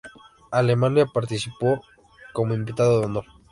Alemania participó como invitado de honor.